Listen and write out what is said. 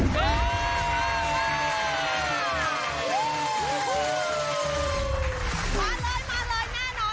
มาเลยมาเลยมาเลย